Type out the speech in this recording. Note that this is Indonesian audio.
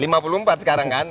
lima puluh empat sekarang kan